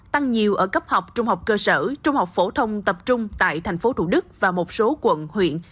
tăng nhiều ở cấp học trung học cơ sở trung học phổ thông tập trung tại thành phố thủ đức và một số quận huyện